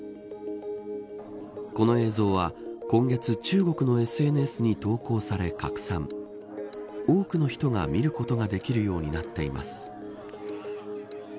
この映像は今月中国のＳＮＳに投稿され、拡散多くの人が見ることができるようになっています。